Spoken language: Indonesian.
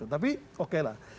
tapi oke lah